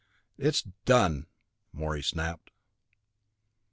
"It's done," Morey snapped.